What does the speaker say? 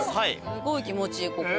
すごい気持ちいいここ。